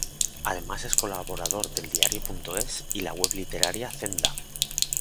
Además es colaborador de eldiario.es y la web literaria Zenda.